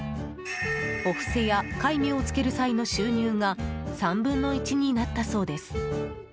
お布施や戒名をつける際の収入が３分の１になったそうです。